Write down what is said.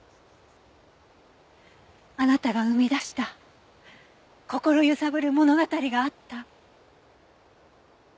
あなたが生み出した心揺さぶる物語があった。